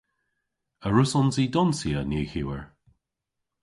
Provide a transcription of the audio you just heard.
A wrussons i donsya nyhewer?